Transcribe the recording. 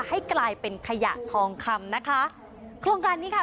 ให้กลายเป็นขยะทองคำนะคะโครงการนี้ค่ะ